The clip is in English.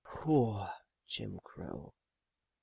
Poor Jim Crow !